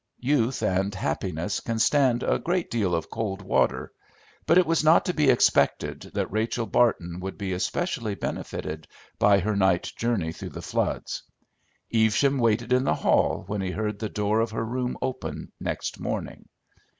Youth and happiness can stand a great deal of cold water; but it was not to be expected that Rachel Barton would be especially benefited by her night journey through the floods. Evesham waited in the hall when he heard the door of her room open next morning.